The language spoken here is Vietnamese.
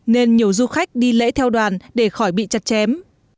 nên nhiều du khách đi lễ theo đoàn để khỏi bị chặt chém